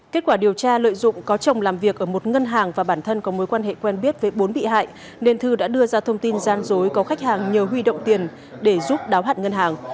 kết quả điều tra lợi dụng có chồng làm việc ở một ngân hàng và bản thân có mối quan hệ quen biết với bốn bị hại nên thư đã đưa ra thông tin gian dối có khách hàng nhờ huy động tiền để giúp đáo hạn ngân hàng